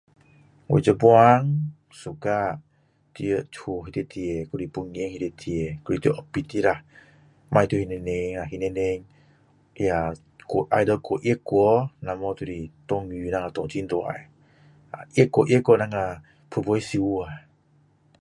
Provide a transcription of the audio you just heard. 我现在喜欢在家里面还是在房间里面还是在 office 的啦不要在外面 either 太热去不然就是下雨啦下雨下很大热去热去等一下皮皮烧去